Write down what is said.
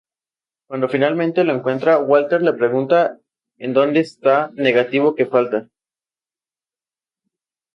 Cuando finalmente lo encuentra, Walter le pregunta en donde esta negativo que falta.